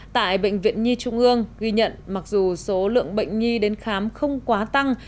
tại bệnh viện nhi trung ương ghi nhận mặc dù số lượng bệnh nhi đến khám không quá tăng